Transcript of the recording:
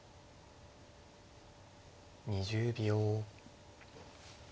２０秒。